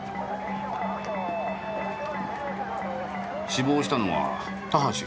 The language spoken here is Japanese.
死亡したのは田橋不二夫。